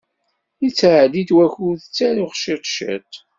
Yettɛeddi wakud, ttaruɣ ciṭ ciṭ.